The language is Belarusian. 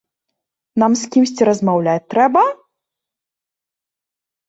Нам з кімсьці размаўляць трэба?